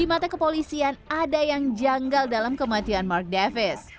di mata kepolisian ada yang janggal dalam kematian mark davis